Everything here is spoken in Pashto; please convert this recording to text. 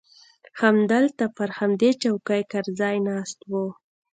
همدلته پر همدې چوکۍ کرزى ناست و.